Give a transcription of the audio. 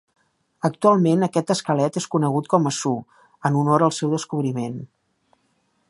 Actualment, aquest esquelet és conegut com a "Sue" en honor al seu descobriment.